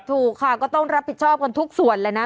ถูกค่ะก็ต้องรับผิดชอบกันทุกส่วนเลยนะ